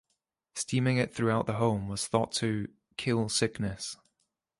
Steaming it throughout the home was thought to "kill" sickness.